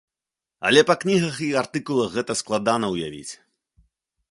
Але па кнігах і артыкулах гэта складана ўявіць.